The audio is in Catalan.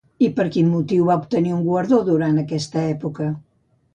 I per quin motiu va obtenir un guardó durant aquesta època?